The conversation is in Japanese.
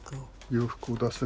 洋服を出す？